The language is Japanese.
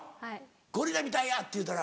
「ゴリラみたいや」って言うたら？